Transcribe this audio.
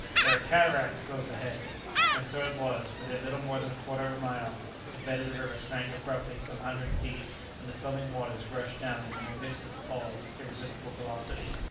there are cataracts close ahead!" And so it was. Within little more than a quarter of a mile the bed of the river sank abruptly some hundred feet, and the foaming waters rushed down in a magnificent fall with irresistible velocity.